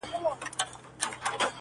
بازاري ویل راځه چي ځو ترکوره٫